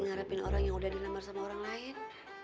mengharapin orang yang udah dilamar sama orang lain